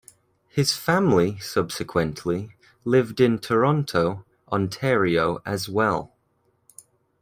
His family subsequently lived in Toronto, Ontario as well.